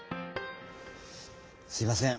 すいません。